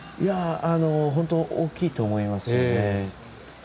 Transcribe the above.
大きいと思いますよね。